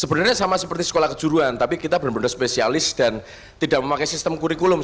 sebenarnya sama seperti sekolah kejuruan tapi kita benar benar spesialis dan tidak memakai sistem kurikulum